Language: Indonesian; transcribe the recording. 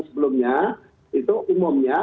sebelumnya itu umumnya